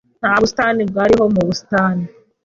Nta busitani bwariho mu busitani.